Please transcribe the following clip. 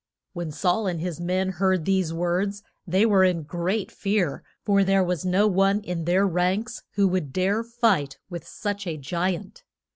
When Saul and his men heard these words they were in great fear, for there was no one in their ranks who would dare fight with such a gi ant.